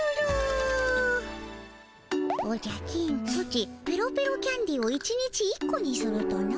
ソチペロペロキャンディーを１日１個にするとな？